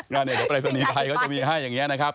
การเรียกว่าปริศนีไทยก็จะมีให้อย่างนี้นะครับ